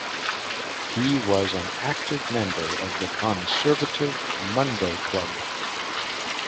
He was an active member of the Conservative Monday Club.